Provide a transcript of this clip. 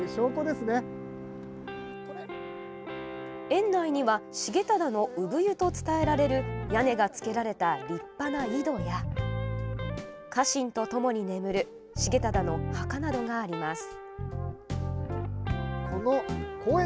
園内には重忠の産湯と伝えられる屋根がつけられた立派な井戸や家臣とともに眠る重忠の墓などがあります。